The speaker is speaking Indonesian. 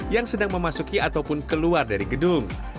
yang sedang memasuki ataupun keluar dari gedung